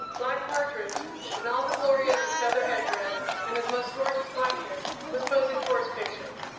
Black Partridge, in all the glory of his feather head dress and his most gorgeous blanket, was posing for his picture.